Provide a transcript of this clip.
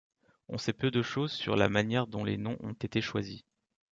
On sait peu de choses sur la manière dont les noms ont été choisis.